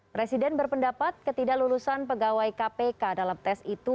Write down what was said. presiden berpendapat ketidak lulusan pegawai kpk dalam tes itu